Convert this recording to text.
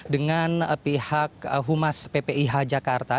dengan pihak humas ppih jakarta